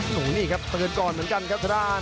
โอ้โหนี่ครับเตือนก่อนเหมือนกันครับทะดาน